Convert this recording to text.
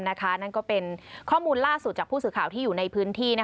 นั่นก็เป็นข้อมูลล่าสุดจากผู้สื่อข่าวที่อยู่ในพื้นที่